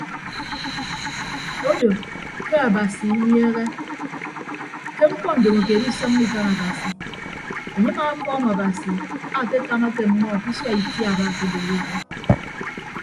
Odo ke abasi iniehe ke mkpọ ndomokeed isọññọ ikan abasi enye amaakọọm abasi akekamake ọmmọ ke isua itiaba akeboiyoke.